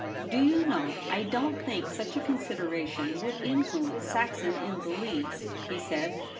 * Do you know, I don't think such a con sideration would influence Saxon in the least,' he said.